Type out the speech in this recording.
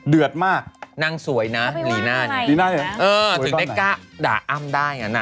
เดือดมากนางสวยนะลีน่าลีน่าเหรอเออถึงเด็กก๊าด่าอ้ำได้อ่ะ